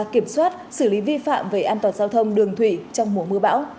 kiểm soát xử lý vi phạm về an toàn giao thông đường thủy trong mùa mưa bão